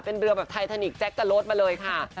เป็นเรือแบบไททานิกแจ๊กกะโลดมาเลยค่ะ